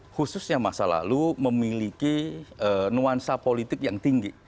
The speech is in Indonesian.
khususnya masa lalu memiliki nuansa politik yang tinggi